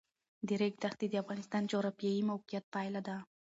د ریګ دښتې د افغانستان د جغرافیایي موقیعت پایله ده.